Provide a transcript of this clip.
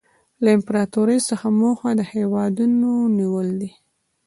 له امپراطورۍ څخه موخه د هېوادونو نیول دي